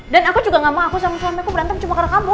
dan aku juga gak mau aku sama suami aku berantem cuma karena kamu